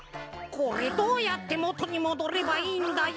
これどうやってもとにもどればいいんだよ。